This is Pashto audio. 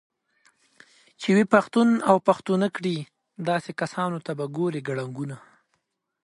چې وي پښتون اوپښتونكړي داسې كسانوته به ګورې كړنګونه